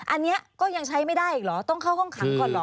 อันนี้ก็ยังใช้ไม่ได้อีกเหรอต้องเข้าห้องขังก่อนเหรอ